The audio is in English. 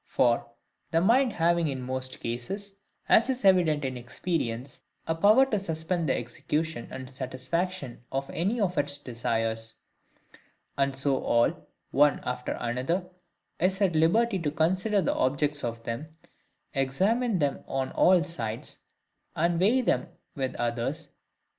For, the mind having in most cases, as is evident in experience, a power to SUSPEND the execution and satisfaction of any of its desires; and so all, one after another; is at liberty to consider the objects of them, examine them on all sides, and weigh them with others.